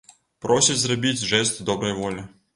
Просяць зрабіць жэст добрай волі.